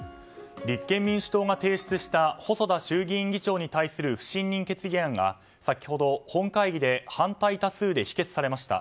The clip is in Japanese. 立憲民主党が提出した細田衆議院議長に対する不信任決議案が先ほど、本会議で反対多数で否決されました。